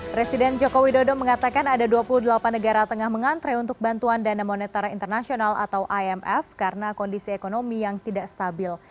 presiden jokowi dodo mengatakan ada dua puluh delapan negara tengah mengantre untuk bantuan dana monetar internasional atau imf karena kondisi ekonomi yang tidak stabil